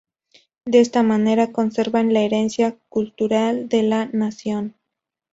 De esta manera conserva la herencia cultural de la nación.